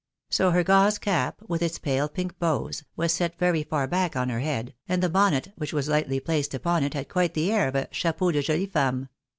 So her gauze cap, with its pale pink bows, was set very far back on her head, and the bonnet which was lightly placed upon it had quite the air of a chapeau de jolie femme.